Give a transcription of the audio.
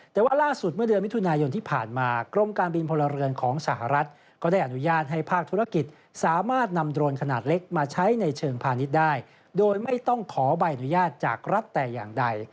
แต่ว่าล่าสุดเมื่อเดือนมิถุนายนที่ผ่านมากรมการบินพลเรือนของสหรัฐก็ได้อนุญาตให้ภาคธุรกิจสามารถนำโดรนขนาดเล็กมาใช้ในเชิงพาณิชย์ได้โดยไม่ต้องขอใบอนุญาตจากรัฐแต่อย่างใด